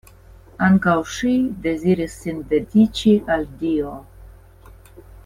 Ankaŭ ŝi deziris sin dediĉi al Dio.